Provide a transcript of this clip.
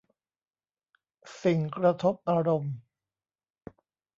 สิ่งกระทบอารมณ์